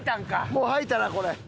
もう吐いたなこれ。